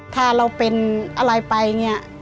ถ้าเราเป็นอะไรไปเนี่ย